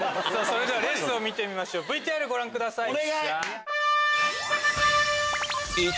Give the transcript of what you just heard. それではレースを見てみましょうＶＴＲご覧ください。